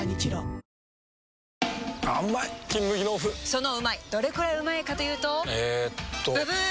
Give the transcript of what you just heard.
そのうまいどれくらいうまいかというとえっとブブー！